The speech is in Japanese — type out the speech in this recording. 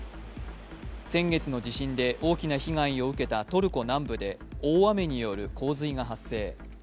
先月の地震で大きな被害を受けたトルコ南部で大雨による洪水が発生。